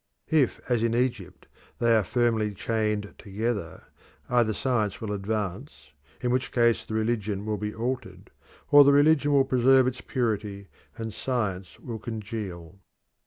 If, as in Egypt, they are firmly chained together, either science will advance, in which case the religion will be altered, or the religion will preserve its purity, and science will congeal.